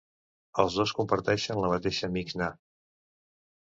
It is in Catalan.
Els dos comparteixen la mateixa Mixnà.